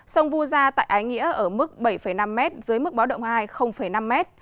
sông vu gia tại ái nghĩa ở mức bảy năm m dưới mức báo động hai năm m